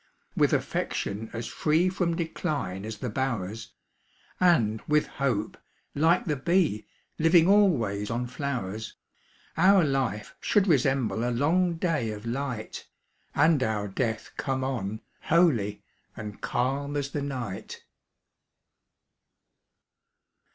With affection as free From decline as the bowers, And, with hope, like the bee, Living always on flowers, Our life should resemble a long day of light, And our death come on, holy and calm as the night.